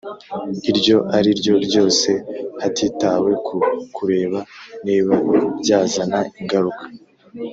iryo ari ryo ryose hatitawe ku kureba niba ryazana ingaruka